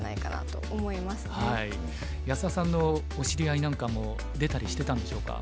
安田さんのお知り合いなんかも出たりしてたんでしょうか？